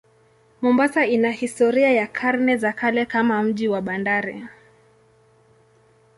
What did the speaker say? Mombasa ina historia ya karne za kale kama mji wa bandari.